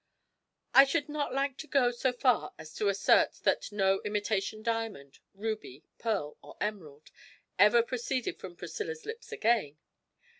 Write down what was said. I should not like to go so far as to assert that no imitation diamond, ruby, pearl, or emerald ever proceeded from Priscilla's lips again.